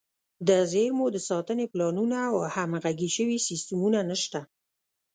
د زیرمو د ساتنې پلانونه او همغږي شوي سیستمونه نشته.